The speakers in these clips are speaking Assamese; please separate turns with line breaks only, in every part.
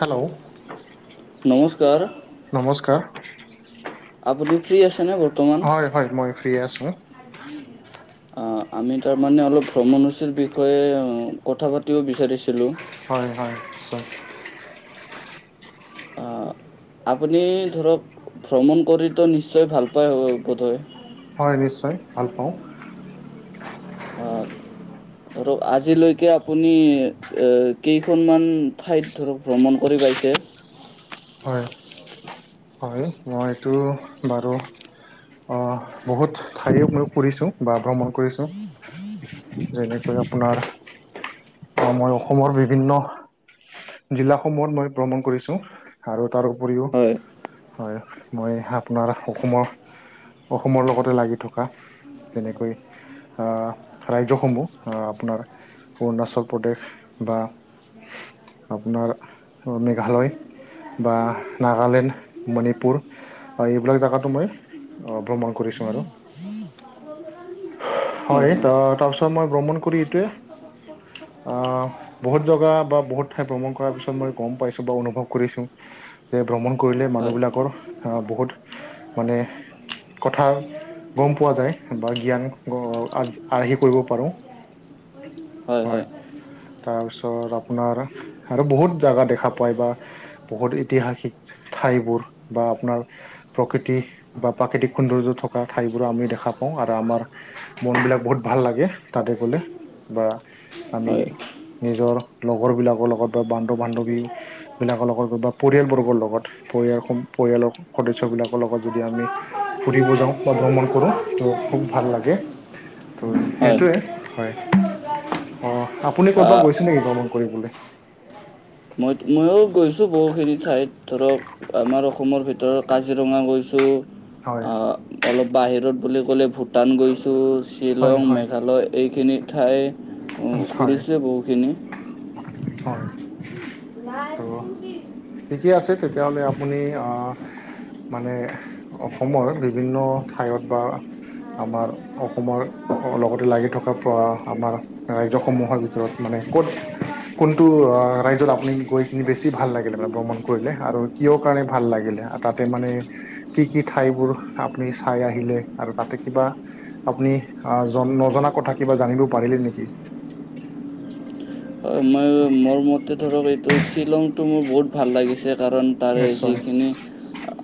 হেল্ল'
নমস্কাৰ
নমস্কাৰ,
আপুনি ফ্ৰী আছেনে বৰ্তমান?
হয় হয়, মই ফ্ৰী আছোঁ।
আমি তাৰমানে অলপ ভ্ৰমণসূচীৰ বিষয়ে কথা পাতিব বিচাৰিছিলোঁ।
হয় হয়, নিশ্চয়।
আহ, আপুনি ধৰক ভ্ৰমণ কৰিতো নিশ্চয় ভাল পায় বোধয়।
হয় নিশ্চয়, ভাল পাওঁ।
আহ, ধৰক আজিলৈকে আপুনি কেইখনমান ঠাইত ধৰক ভ্ৰমণ কৰি পাইছে।
হয়, মইটো বাৰু বহুত ঠাইও মই ফুৰিছোঁ বা ভ্ৰমণ কৰিছোঁ। যেনেকৈ আপোনাৰ মই অসমৰ বিভিন্ন জিলা সমূহত মই ভ্ৰমণ কৰিছো আৰু তাৰ উপৰিও
হয়,
হয়, মই আপোনাৰ অসমৰ অসমৰ লগতে লাগি থকা তেনেকৈ আহ ৰাজ্যসমূহ আহ আপোনাৰ অৰুণাচল প্ৰদেশ বা আপোনাৰ মেঘালয় বা নাগালেণ্ড, মণিপুৰ এইবিলাক জাগাতো মই ভ্ৰমণ কৰিছোঁ। আৰু হয়, ত তাৰপিছত মই ভ্ৰমণ কৰি এইটোৱে আহ বহুত জগা বা বহুত ঠাই ভ্ৰমণ কৰাৰ পিছত মই গম পাইছো বা অনুভৱ কৰিছো। যে ভ্ৰমণ কৰিলে মানুহবিলাকৰ আহ বহুত মানে কথা গম পোৱা যায় বা জ্ঞান আৰ্হি কৰিব পাৰোঁ।
হয় হয়,
তাৰপিছত আপোনাৰ আৰু বহুত জাগা দেখা পায়, বা বহুত ঐতিহাসিক ঠাইবোৰ বা আপোনাৰ প্ৰকৃতি বা প্ৰাকৃতিক সৌন্দৰ্য থকা ঠাইবোৰো আমি দেখা পাওঁ আৰু আমাৰ মন বিলাক বহুত ভাল লাগে, তাতে গলে বা আমি
হয়
নিজৰ লগৰবিলাকৰ লগত বা বন্ধু-বান্ধৱী বিলাকৰ লগত বা পৰিয়াল বৰ্গৰ লগত, পৰিয়াল পৰিয়ালৰ সদস্য বিলাকৰ লগত যদি আমি ফুৰিব যাওঁ বা ভ্ৰমণ কৰো ত খুব ভাল লাগে। ত
হয়
সেইটোৱে হয়। অ আপুনি ক'বাত গৈছে নেকি ভ্ৰমণ
আহ,
কৰিবলৈ?
মই ময়ো গৈছোঁ বহুখিনি ঠাইত। ধৰক আমাৰ অসমৰ ভিতৰত কাজিৰঙা গৈছোঁ।
হয়
অলপ বাহিৰত বুলি ক'লে ভূটান গৈছো,
হয়
শ্বিলং,
হয়
মেঘালয় এইখিনি ঠাই
হয়
ঘুৰিছো বহুখিনি।
হয়, তো ঠিকে আছে। তেতিয়াহ'লে আপুনি মানে অসমৰ বিভিন্ন ঠাইত বা আমাৰ অসমৰ অ' লগতে লাগি থকা আমাৰ ৰাজ্যসমূহৰ ভিতৰত মানে ক'ত
[unintelligible]
কোনটো ৰাজ্যত আপুনি গৈ কিনি বেছি ভাল লাগিলে? মানে ভ্ৰমণ কৰিলে আৰু কিহৰ কাৰণে ভাল লাগিলে? তাতে মানে, কি কি ঠাইবোৰ আপুনি চাই আহিলে আৰু তাতে কিবা আপুনি জন নজনা কথা কিবা জানিব পাৰিলে নেকি?
মই মোৰ মোৰ মতে ধৰক এইটো শ্বিলংতটো মোৰ বহুত ভাল লাগিছে কাৰণ তাৰে
নিশ্চয়
যিখিনি অ'।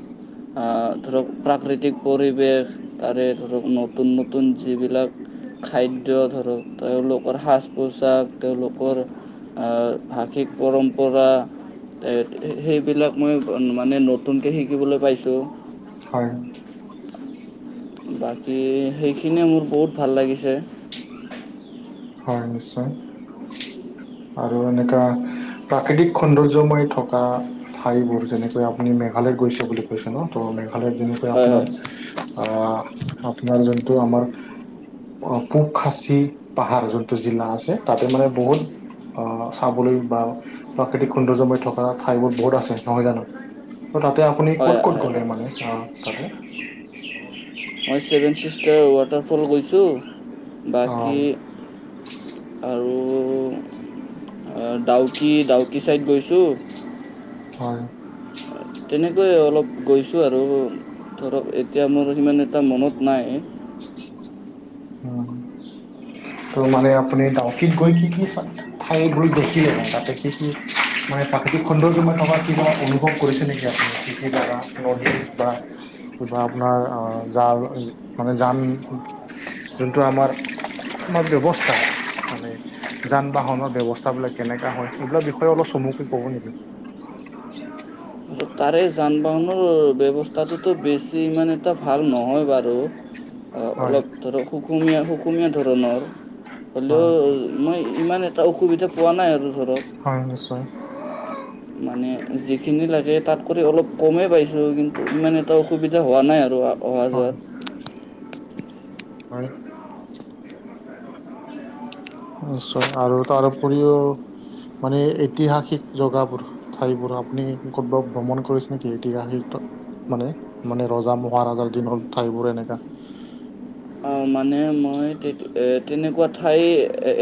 আহ ধৰক প্ৰাকৃতিক পৰিৱেশ তাৰে ধৰক নতুন নতুন যিবিলাক খাদ্য ধৰক তেওঁলোকৰ সাজ পোচাক তেওঁলোকৰ আ ভাষিক পৰম্পৰা সেইবিলাক মই মানে নতুনকে শিকিবলৈ পাইছো।
হয়।
বাকী সেইখিনিয়ে মোৰ বহুত ভাল লাগিছে।
হয় নিশ্চয়। আৰু এনেকা প্ৰাকৃতিক সৌন্দৰ্যময় থকা ঠাইবোৰ যেনেকৈ আপুনি মেঘালয়ত গৈছে বুলি কৈছে ন ত' মেঘালয়ত যেনেকৈ
হয়
আপোনাৰ
হয়
আহ, আপোনাৰ যোনটো আমাৰ অ' পোক খাচী পাহাৰ যোনটো জিলা আছে তাতে মানে বহুত আহ চাবলৈ বা প্ৰাকৃতিক সৌন্দৰ্যময় থকা ঠাইবোৰ বহুত আছে নহয় জানো? ত' তাতে আপুনি ক'ত ক'ত
হয় হয়
গ'লে মানে তাতে
মই ছেভেন চিষ্টাৰ ৱাটাৰফল গৈছো,
অ
বাকী আৰু ডাউকি ডাউকি চাইদ গৈছো।
হয়।
তেনেকৈ অলপ গৈছোঁ আৰু, ধৰক এতিয়া মোৰ সিমান এটা মনত নাই।
ত মানে আপুনি ডাউকত গৈ কি কি চালে। খাই ভৰি দেখিলে তাতে কি কি মানে প্ৰাকৃতিক খণ্ডৰ তই থকা কিবা অনুভৱ কৰিছে নেকি আপুনি বা কিবা আপোনাৰ জা মানে জান, যোনটো আমাৰ তোমাৰ ব্যৱস্থা মানে যান বাহনৰ ব্যৱস্থাাবিলাক কেনেকা হয়, এইবিলাক বিষয়ে অলপ চমুকৈ কব নেকি।
তাৰে যান বাহনৰ ব্যৱস্থাটোতো বেছি মানে এ ভাল নহয় বাৰু,
হয়
অলপ ধৰ সুকুমীয়া সুকুমীয়া ধৰণৰ। হ'লেও,
হয়
মই ইমান এটা অসুবিধা পোৱা নাই আৰু ধৰক।
হয় নিশ্চয়।
মানে যিখিনি লাগে তাত কৰি অলপ কমেই পাইছোঁ কিন্তু ইমান এটা অসুবিধা হোৱা নাই আৰু অহা
হয়,
যোৱাত
হয়। নিশ্চয় আৰু তাৰ উপৰিও, মানে ঐতিহাসিক জগাবোৰ ঠাইবোৰ আপুনি ক'তবাত ভ্ৰমণ কৰিছে নেকি ইতিহাসিক মানে ৰজা মহাৰাজাৰ দিনৰ ঠাইবোৰ এনেকা।
মানে মই তেনেকুৱা ঠাই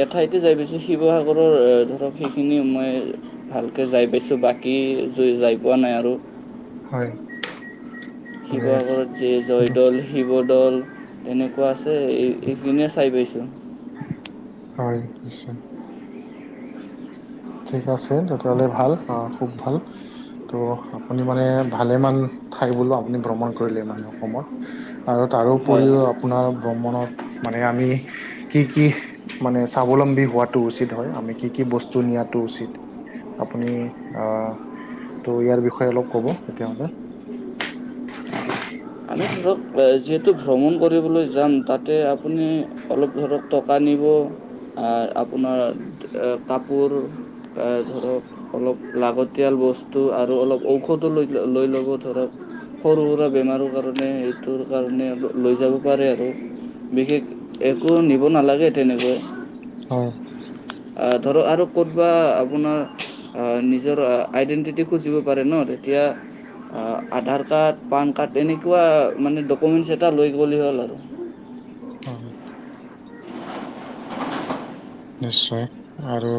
এঠাইতে যাই পাইছো শিৱসাগৰৰ ধৰক সেইখিনি মই ভালকে যাই পাইছো বাকী যাই পোৱা নাই আৰু
হয়। মানে
শিৱসাগৰত যে জয়দৌল, শিৱদৌল তেনেক ৱা আছে এই এইখিনিয়ে চাই পাইছোঁ।
হয়, নিশ্চয়। ঠিক আছে তেতিয়াহ'লে ভাল, অ' খুব ভাল। ত' আপুনি মানে ভালেমান ঠাই বোলো, আপুনি ভ্ৰমণ কৰিলে মানে অসমত। আৰু
হয়
তাৰোপৰিও
হয়
আপোনাৰ ভ্ৰ্মণত মানে আমি, কি কি মানে স্বাৱলম্বী হোৱাটো উচিত হয় আমি কি কি বস্তু নিয়াত টু উচিত আপুনি ত' ইয়াৰ বিষয়ে অলপ ক'ব তেতিয়াহলে
আমি ধৰক যিহেতু ভ্ৰমণ কৰিবলৈ যাম তাতে আপুনি অলপ ধৰক টকা নিব আপোনাৰ কাপোৰ ধৰক অলপ লাগ তিয়াল বস্তু আৰু অলপ ঔষধো লৈ লৈ ল'ব ধৰক সৰু সুৰা বেমাৰো কাৰণে সেইটোৰ কাৰণে লৈ যাব পাৰে আৰু বিশেষ একো নিব নালাগে তেনেকৈ।
হয়।
আহ ধৰ আৰু ক'তবা আপোনাৰ আহ নিজৰ আইডেণ্টিটি খুজিব পাৰে ন তেতিয়া অ', আধাৰ কাৰ্ড পান কাৰ্ড এনেকুৱা মানে ডকুমেন্টচ এটা লৈ হ'ল আৰু।
অঁ'। নিশ্চয় আৰু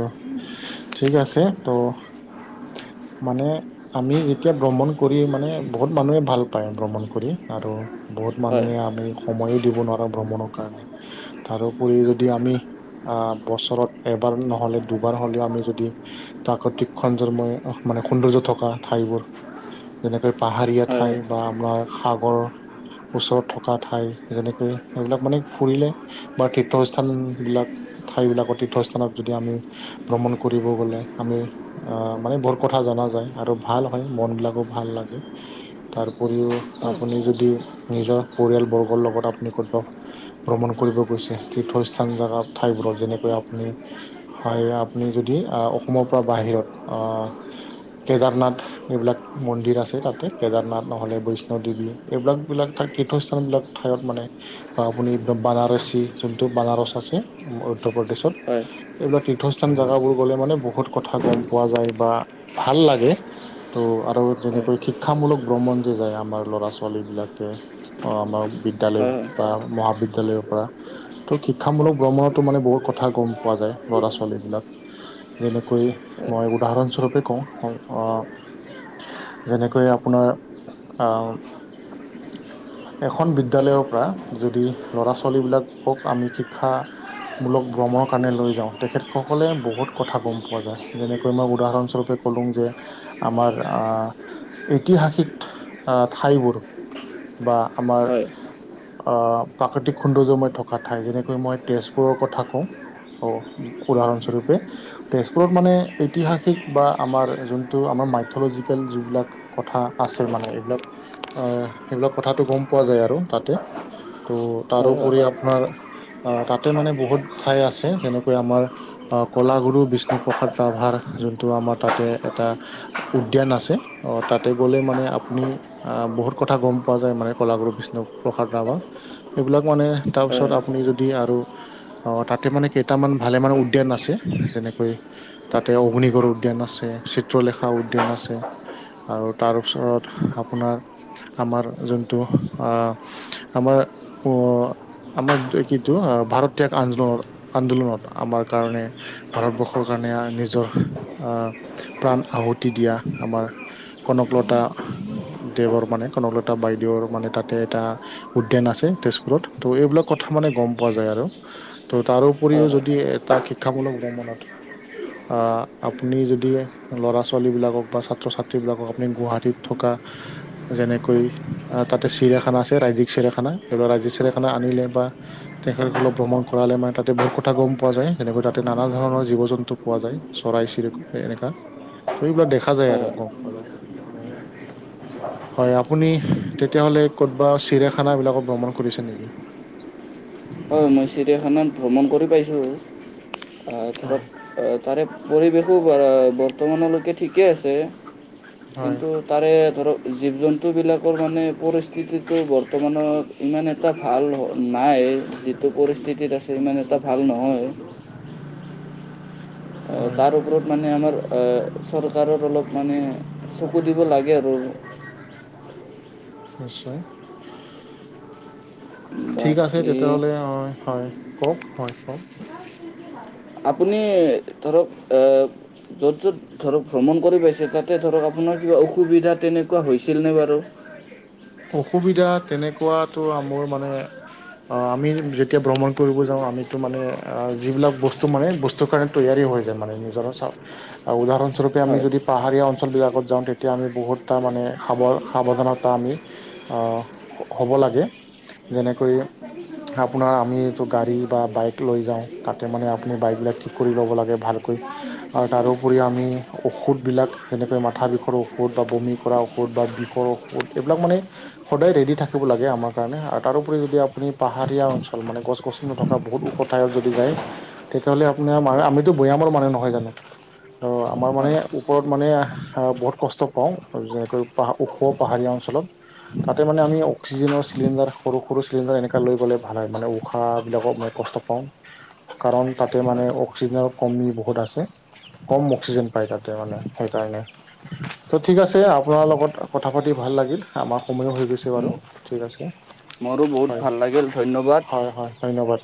ঠিক আছে ত' মানে আমি যেতিয়া ভ্ৰমণ কৰি মানে বহুত মানুহে ভাল পায় ভ্ৰমণ কৰি আৰু বহুত
হয়,
মানুহে আমি সময়ো দিব নোৱাৰে ভ্ৰমণৰ কাৰণে। তাৰোপৰি যদি আমি আহ বছৰত এবাৰ নহলে দুবাৰ হ'লেও আমি যদি প্ৰাকতিক খন্দৰময় মানে সৌন্দৰ্য থকা ঠাইবোৰ যেনেকৈ পাহাৰীয়া
হয়, হয়।
ঠাই বা আমাৰ সাগৰ ওচৰত থকা ঠাই যেনেকৈ সেইবিলাক মানে ফুৰিলে বা তীৰ্থস্থান বিলাক ঠাই বিলাকৰ তীৰ্থস্থানত যদি আমি ভ্ৰমণ কৰিব গলে আমি আহ মানে বহুত কথা জনা যায় আৰু ভাল হয় মন বিলাকো ভাল লাগে। তাৰ উপৰিও
হয়,
আপুনি যদি নিজৰ পৰিয়াল বৰ্গৰ লগত আপুনি কৰব ভ্ৰমণ কৰিব গৈছে তীৰ্থস্থান জা ঠাইবোৰত। যেনেকৈ আপুনি হয় আপুনি যদি অসমৰ পৰা বাহিৰত আহ কেদাৰনাথ এইবিলাক মন্দিৰ আছে তাতে কেদাৰনাথ নহ'লে বৈষ্ণ দেৱী এইবিলাক বিলাক তাৰ তীৰ্থস্থান বিলাক ঠাইত মানে আপুনি বানাৰসী যোনটো বানাৰস আছে উধৰ প্ৰদেশত।
হয়,
এইবিলাক তীৰ্থস্থান জেগাবোৰ গ'লে মানে বহুত কথা গম পোৱা যায় বা ভাল লাগে। ত' আৰু
হয়, হয়, হয়, হয়, হয়, হয়, হয়,
যেনেকৈ শিক্ষামূলক ভ্ৰমণ যে যায় আমাৰ ল'ৰা ছোৱালী বিলাকে। অ', আমাৰ বিদ্য়ালয়
হয়,
বা মহাবিদ্য়ালয়ৰ পৰা। ত' শিক্ষামূলক ভ্ৰমণতো মানে বহুত কথা গম পোৱা যায় ল'ৰা ছোৱালী বিলাক। যেনেকৈ মই উদাহৰণস্বৰূপে কওঁ আহ যেনেকৈ আপোনাৰ
[inaudible]
এখন বিদ্যয়ালয়ৰ পৰা যদি ল'ৰা ছোৱালী বিলাকক আমি শিক্ষা মূলক ভ্ৰমণৰ কাৰণে লৈ যাওঁ তেখেতসকলে বহুত কথা গম পোৱা যায় যেনেকৈ মই উদাহৰণস্বৰূপে কলো যে আমাৰ আহ ঐতিহাসিক আহ ঠাইবোৰ। বা আমাৰ অ', প্ৰাকৃতিক সৌন্দৰ্যময় থকা ঠাই যেনেকৈ মই তেজপুৰ পৰ কথা কওঁ অ', উদাহৰণস্বৰূপে। তেজপুৰত মানে ঐতিহাসিক বা আমাৰ যোনটো আমাৰ মাইথলজিকেল যিবিলাক কথা আছে মানে এইবিলাক আহ এইবিলাক কথাাতটো গম পোৱা যায় আৰু তাতে। ত' তাৰোপৰি আপোনাৰ আহ তাতে মানে বহুত ঠাই আছে যেনেকৈ আমাৰ কলাগুৰু বিষ্ণুপ্ৰসাদ ৰাভাৰ যোনটো আমাৰ তাতে এটা উদ্যান আছে অ', তাতে গলে মানে আপুনি আহ বহুত কথা গম পোৱা যায় মানে কলাগুৰু বিষ্ণু প্ৰসাদ ৰাভাৰ। এইবিলাক মানে
হয়,
তাৰপিছত আপুনি যদি আৰু অ', তাতে মানে কেইটামান ভালে মানে উদ্যান আছে যেনেকৈ তাতে অগ্নিগড় উদ্যান আছে চিত্ৰলেখা উদ্যান আছে আৰু তাৰপিছত আপোনাৰ আমাৰ যোনটো আহ আমাৰ উ আমাৰ কিটো ভাৰত ত্যাগ আন্দোলনৰ আন্দোলনত আমাৰ কাৰণে ভাৰতবৰ্ষৰ কাৰণে নিজৰ আহ প্ৰাণ আহুতি দিয়া আমাৰ কনকলতা দেৱৰ মানে কনকলতা বাইদেউৰ মানে তাতে এটা উদ্যান আছে তেজপুৰত ত' এইবিলাক কথা মানে গম পোৱা যায় আৰু ত' তাৰপৰিও
হয়,
যদি এটা শিক্ষামূলক ভ্ৰমনত আপুনি যদি ল'ৰা ছোৱালী বিলাকক বা ছাত্ৰ ছাত্ৰী বিলাকক আপুনি গুৱাহাটীত থকা যেনেকৈ আহ তাতে চিৰিয়াখানা আছে ৰাজ্্যিক চিৰায়াখানা এইবিল ৰাজ্যিক চিৰায়াখানা আনিলে বা তেখেতস অপ ভ্ৰমণ কৰালে মানে তাতে বহুত কথা গম পোৱা যায় যেনেকৈ তাতে নানান ধৰণৰ জীৱ জন্তু পোৱা যায় চৰাই চিৰিকু এনেককা ত এইবিলাক দেখা যায় আৰু গম পোৱা যায়
হয়
হয় আপুনি তেতিয়াাহলে ক'বা চিৰাখানা বিলাক ভ্ৰমণ কৰিছে নেকি
হয় মই চিৰিয়াখানাত ভ্ৰমণ কৰি পাইছোঁ ধৰক
হয়
তাৰে পৰিৱেশো বৰ্তমানলৈকে ঠিকেই আছে
হয়
কিন্তু তাৰে ধৰক জীৱ জন্তুবিলাকৰ মানে পৰিস্থিতিটো বৰ্তমানৰ ইমান এটা ভাল নাই যিটো পৰিস্থিতিত আছে ইমান এটা ভাল নহয় অ
হয়
ত পৰত মানে আমাৰ চৰকাৰৰ অলপ মানে চকু দিব লাগে আৰু
নিশ্চয় ঠিক আছে
বাকী
তেতিয়াহলে অ হয় কওক হয় কক
আপুনি ধৰক য'ত য'ত ধৰক ভ্ৰমণ কৰি পাইছে তাতে ধৰক আপোনাৰ কিবা অসুবিধা তেনেকুৱা হৈছিলনে বাৰু
অসুবিধা তেনেকুৱাতো মোৰ মানে আমি যেতিয়া ভ্ৰমণ কৰিব যাওঁ আমিতো মানে যিবিলাক বস্তু মানে বস্তুৰ কাৰণে তৈয়াৰী হৈ যায় মানে নিজৰ চাও উদাহৰণস্বৰূপে আমি
হয়
যদি পাহাৰীয়া অঞ্চলবিলাকত যাওঁ তেতিয়া আমি বহুত এটা মানে সাৱ সাৱধানতা আমি হ'ব লাগে যেনেকৈ আপোনাৰ আমি এইটো গাড়ী বা বাইক লৈ যাওঁ তাতে মানে আপুনি বাইকবিলাক ঠিক কৰি ল'ব লাগে ভালকৈ আৰু তাৰোপৰি আমি ঔষধবিলাক যেনেকৈ মাথা বিষৰ ঔষধ বা বমি কৰা ঔষধ বা বিষৰ ঔষধ এইবিলাক মানে সদায় ৰেডি থাকিব লাগে আমাৰ কাৰণে আৰু তাৰোপৰি যদি আপুনি পাহাৰীয়া অঞ্চল মানে গছ গছনি নথ বহুত ওখ ঠাইত যদি যায় তেতিয়াহ'লে আপোনাৰ
হয়
ম আমিতো বৈয়ামৰ মানুহ নহয় জানো অ আমাৰ মানে
হয়
ওপৰত মানে বহুত কষ্ট পাওঁ যেনেকৈ প ওখ পাহাৰীয়া অঞ্চলত তাতে মানে আমি অ্সিজেনৰ চিলিড সৰু চিলিণ্ডাৰ এনেকৈ লৈ গ'লে ভাল হয় মানে উশাহ বিিলাকক মানে কষ্ট কাৰণ তাতে
হয়
মানে অক্সিজেনৰ কমি বহুত আছে কম অক্সিজেন পাই তাতে মানে সেইকাৰণে ত' ঠিক আছে আপোনাৰ লগত কথা পাতি ভাল লাগিল আমাৰ সময়ো হৈ গৈছে বাৰু ঠিক আছে
মোৰো বহুত
হয়
ভাল লাগিল ধন্যবাদ
হয় হয় ধন্যবাদ